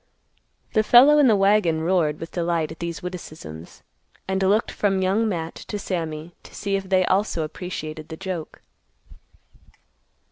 The fellow in the wagon roared with delight at these witticisms, and looked from Young Matt to Sammy to see if they also appreciated the joke.